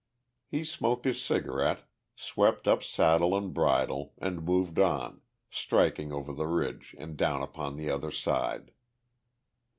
He smoked his cigarette, swept up saddle and bridle, and moved on, striking over the ridge and down upon the other side.